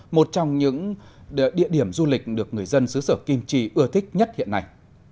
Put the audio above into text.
một trong những địa điểm du lịch được người dân xứ sở kim trì ưa thích nhất hiện nay